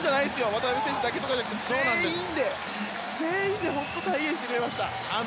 渡邊選手だけじゃなくて全員で本当に体現してくれました。